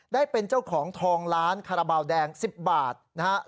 ได้เป็นเจ้าของทองล้านคาราบาลแดง๑๐บาทนะครับ